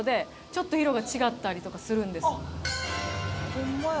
ホンマや。